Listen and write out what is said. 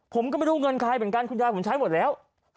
ผมก็ไม่รู้เงินใครเหมือนกันคุณยายผมใช้หมดแล้ว